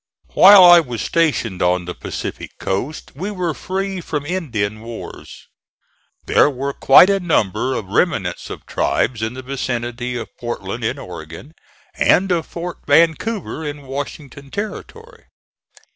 While I was stationed on the Pacific coast we were free from Indian wars. There were quite a number of remnants of tribes in the vicinity of Portland in Oregon, and of Fort Vancouver in Washington Territory.